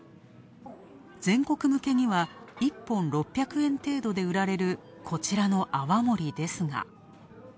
全国向けには１本６００円程度で売られる、こちらの泡盛ですが。